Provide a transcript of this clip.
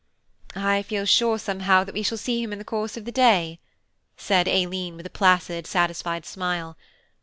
"I feel sure somehow that we shall see him in the course of the day," said Aileen, with a placid satisfied smile.